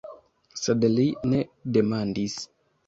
Sed li ne demandis.